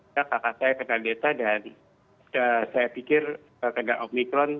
kakak saya kena delta dan saya pikir kena omikron